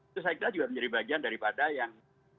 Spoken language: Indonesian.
itu saya kira juga menjadi bagian daripada yang